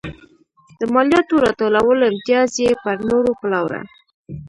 د مالیاتو راټولولو امتیاز یې پر نورو پلوره.